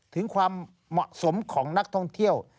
ถึงความเหมาะสมของนักท่องเที่ยว